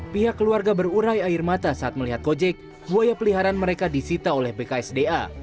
pihak keluarga berurai air mata saat melihat kojek buaya peliharaan mereka disita oleh bksda